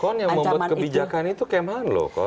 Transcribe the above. kon yang membuat kebijakan itu kem han loh